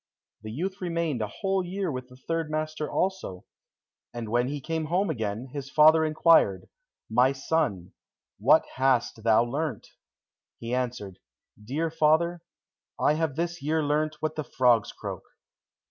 The youth remained a whole year with the third master also, and when he came home again, and his father inquired, "My son, what hast thou learnt?" he answered, "Dear father, I have this year learnt what the frogs croak."